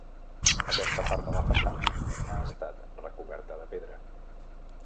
Aquesta part de la façana ha estat recoberta de pedra.